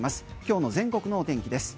今日の全国の天気です。